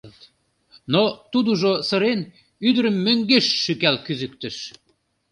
Но тудыжо, сырен, ӱдырым мӧҥгеш шӱкал кӱзыктыш.